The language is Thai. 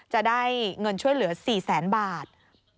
จะได้เงินช่วยเหลือ๔แสนบาท